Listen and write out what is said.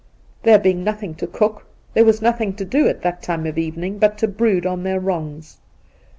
There being nothing to cook, there was nothing to do at that time of evening but to brood on their wrongs.